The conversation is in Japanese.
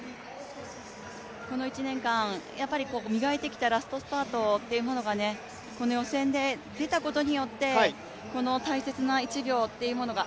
この１年間、磨いてきたラストスパートっていうものがこの予選で出たことによってこの大切な１秒というものが。